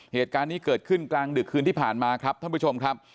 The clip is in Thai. เหตุการณ์นี้เกิดขึ้นกลางดึกคืนที่ผ่านมาครับท่านผู้ชมครับ